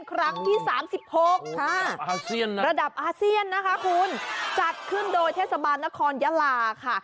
ครั้งที่๓๖ค่ะระดับอาเซียนนะคะคุณจัดขึ้นโดยเทศบาลนครยาลาค่ะ